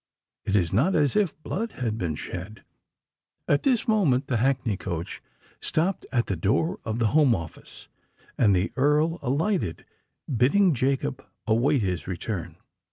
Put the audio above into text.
It is not as if blood had been shed——" At this moment the hackney coach stopped at the door of the Home Office; and the Earl alighted, bidding Jacob await his return.